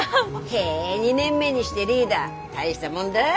へえ２年目にしてリーダー大したもんだぁ。